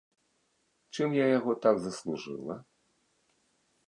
Чым я яго так заслужыла?